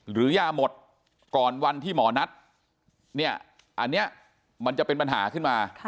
หรือยาหมดก่อนวันที่หมอนัดเนี่ยอันนี้มันจะเป็นปัญหาขึ้นมา